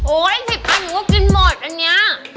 โอ๊ย๑๐อันนี้ก็กินหมดอันนี้